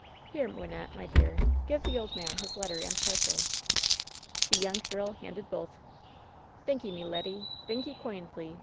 Here, Wyn nette, my dear, give the old man his letter and parcel.'' The young girl handed both. "Thanky, me leddy! Thanky koindly!"